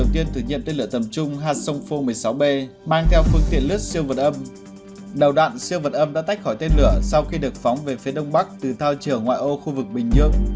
tên lửa sau khi được phóng về phía đông bắc từ thao trường ngoại ô khu vực bình dương